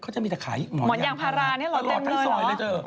เขาจะมีแต่ขายหมอนยางพาลาตลอดทั้งสอยเลยเจอ